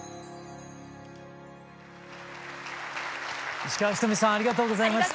石川ひとみさんありがとうございました。